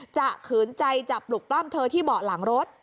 ขืนใจจะปลุกปล้ำเธอที่เบาะหลังรถ